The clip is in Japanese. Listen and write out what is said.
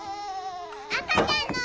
赤ちゃんの！